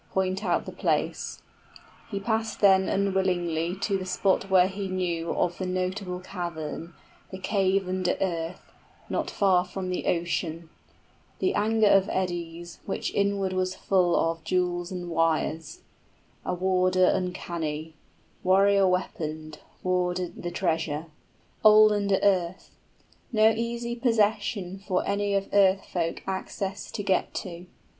} Point out the place: he passed then unwillingly 20 To the spot where he knew of the notable cavern, The cave under earth, not far from the ocean, The anger of eddies, which inward was full of Jewels and wires: a warden uncanny, Warrior weaponed, wardered the treasure, 25 Old under earth; no easy possession For any of earth folk access to get to.